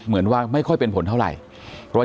อ๋อเจ้าสีสุข่าวของสิ้นพอได้ด้วย